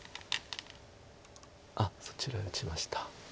あっそちらへ打ちました。